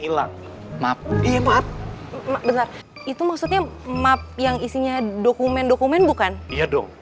hilang map map itu maksudnya map yang isinya dokumen dokumen bukan iya dong